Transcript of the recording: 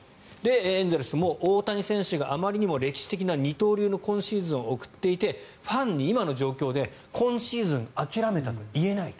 エンゼルスも大谷選手があまりにも歴史的な二刀流の今シーズンを送っていてファンに今の状況で今シーズン諦めたと言えないと。